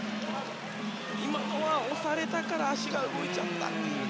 今のは押されたから足が動いちゃったかと。